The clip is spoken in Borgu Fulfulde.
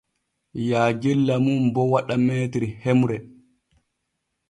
Yaajella mum bo waɗa m hemre.